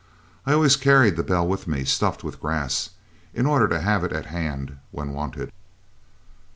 I always carried the bell with me, stuffed with grass, in order to have it at hand when wanted.